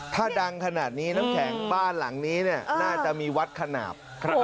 ถ้าดังขนาดนี้น้ำแข็งบ้านหลังนี้น่าจะมีวัดขนาด